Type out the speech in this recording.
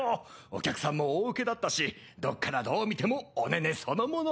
お客さんも大ウケだったしどっからどう見てもお寧々そのもの。